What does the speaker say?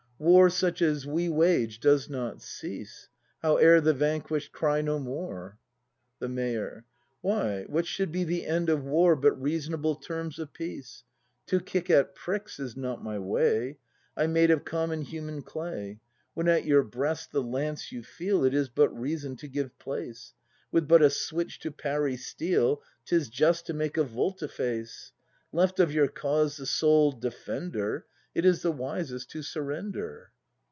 War such as we wage does not cease, Howe'er the vanquish'd cry "No more!" The Mayor. Why, what should be the end of war But reasonable terms of peace ? To kick at pricks is not my way, I'm made of common human clay; When at your breast the lance you feel It is but reason to give place; — With but a switch to parry steel, 'Tis just to make a volte face; Left of your cause the sole defender, It is the wisest to surrender.